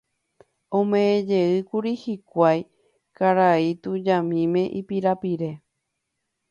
Ome'ẽjeýkuri hikuái karai tujamíme ipirapire